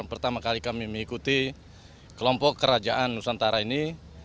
pertama kali kami mengikuti kelompok kerajaan nusantara ini